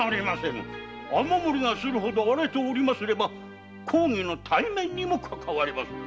雨漏りがするほど荒れており公儀の体面にもかかわりまする。